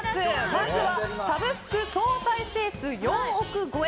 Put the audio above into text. まずはサブスク総再生数４億超え！